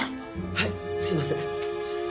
はいすいません